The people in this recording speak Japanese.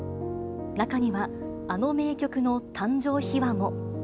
中には、あの名曲の誕生秘話も。